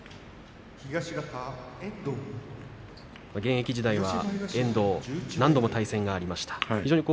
現役時代は遠藤と何度も対戦があります。